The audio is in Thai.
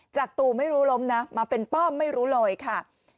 ตู่ไม่รู้ล้มนะมาเป็นป้อมไม่รู้เลยค่ะ